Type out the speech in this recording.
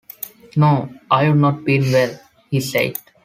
“No, I’ve not been well,” he said.